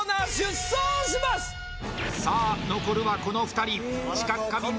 さあ残るはこの２人知覚過敏